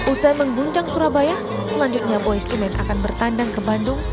usai mengguncang surabaya selanjutnya boyz iman akan bertandang ke bandung